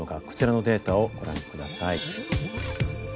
こちらのデータをご覧ください。